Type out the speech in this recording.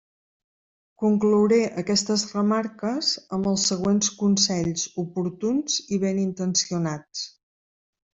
Conclouré aquestes remarques amb els següents consells oportuns i benintencionats.